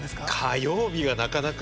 火曜日がなかなか。